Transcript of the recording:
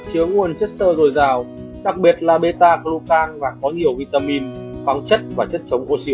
chứa nguồn chất xơ dồi dào đặc biệt là bêta glucan và có nhiều vitamin phong chất và chất chống oxy